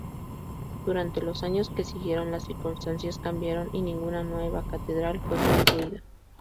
Durante los años que siguieron las circunstancias cambiaron y ninguna nueva catedral fue construida.